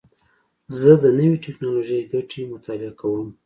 زه د نوې ټکنالوژۍ ګټې مطالعه کوم.